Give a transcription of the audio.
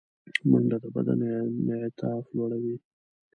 منډه د بدن انعطاف لوړوي